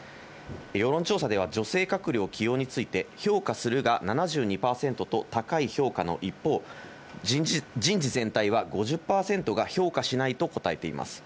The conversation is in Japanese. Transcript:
世論調査では女性閣僚の起用について、評価するが７２％と高い評価の一方、人事全体は５０％が評価しないと答えています。